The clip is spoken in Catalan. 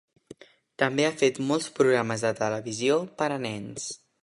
També ha fet molts programes de televisió per a nens.